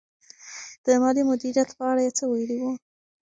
د مالي مدیریت په اړه یې څه ویلي وو؟